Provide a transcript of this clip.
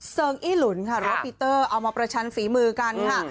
เซิงอี้หลุนรับปีเตอร์เอามาประชันฝีมือกันค่ะ